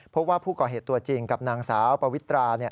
พบว่าผู้ก่อเหตุตัวจริงกับนางสาวปวิตรา